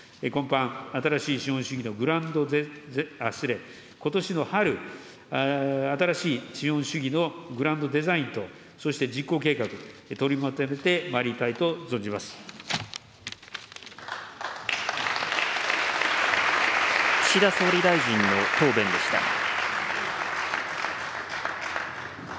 今般、新しい資本主義の、失礼、ことしの春、新しい資本主義のグランドデザインとそして実行計画、取りまとめ岸田総理大臣の答弁でした。